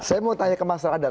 saya mau tanya ke mas radar